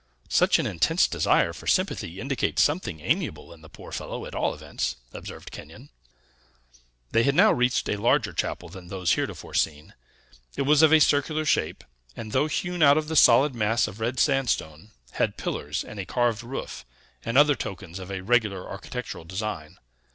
"Such an intense desire for sympathy indicates something amiable in the poor fellow, at all events," observed Kenyon. They had now reached a larger chapel than those heretofore seen; it was of a circular shape, and, though hewn out of the solid mass of red sandstone, had pillars, and a carved roof, and other tokens of a regular architectural design.